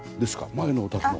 前のお宅の？